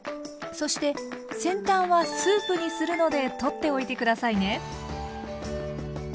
そして先端はスープにするので取っておいて下さいね。